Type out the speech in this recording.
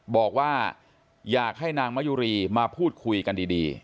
บอกว่าอยากให้นางมะยุรีมาพูดคุยกันดี